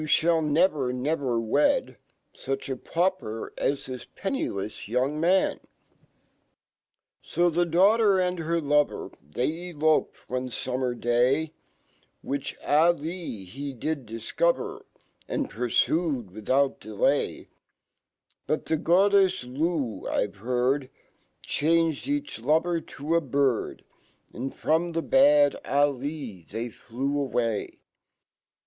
1 never, never wed Such apauper as this pennileft young. man) Sfhe daughter and herlovor, They eloped onefummer day, \Vhich Ah Lee he did difcover, And purfued without delay; But fhe Gddef$ L,I*ve heard Changed each lover to a>bird , And from tKe bad Ah Lee they fle/w Ah me!